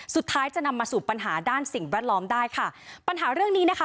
สุดท้ายจะนำมาสู่ปัญหาด้านสิ่งแวดล้อมได้ค่ะปัญหาเรื่องนี้นะคะ